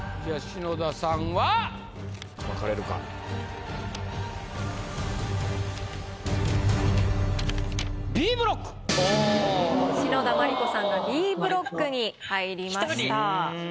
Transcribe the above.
篠田麻里子さんがＢブロックに入りました。